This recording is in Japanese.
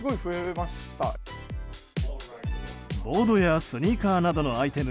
ボードやスニーカーなどのアイテム